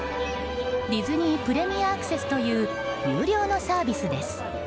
ディズニー・プレミアアクセスという有料のサービスです。